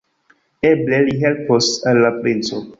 Eble, li helpos al la princo!